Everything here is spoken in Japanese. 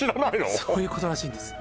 そういうことらしいんですよ